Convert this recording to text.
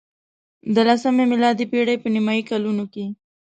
د لسمې میلادي پېړۍ په نیمايي کلونو کې.